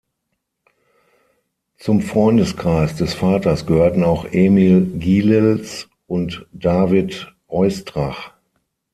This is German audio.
Zum Freundeskreis des Vaters gehörten auch Emil Gilels und David Oistrach.